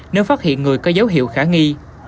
nếu phát hiện người có dấu hiệu khả nghi